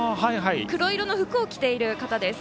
黒色の服を着ている方です。